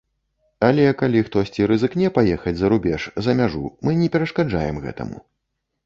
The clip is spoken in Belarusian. Але калі хтосьці рызыкне паехаць за рубеж, за мяжу, мы не перашкаджаем гэтаму.